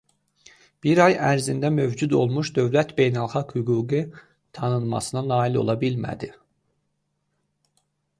Bir ay ərzində mövcud olmuş dövlət beynəlxalq hüquqi tanınmasına nail ola bilmədi.